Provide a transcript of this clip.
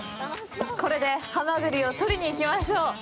これでハマグリを取りに行きましょう。